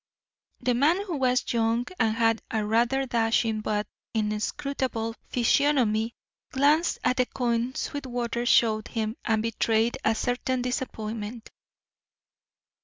The man, who was young and had a rather dashing but inscrutable physiognomy, glanced at the coin Sweetwater showed him and betrayed a certain disappointment.